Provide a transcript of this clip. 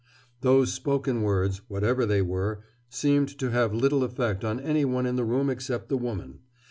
Those spoken words, whatever they were, seemed to have little effect on any one in the room except the woman.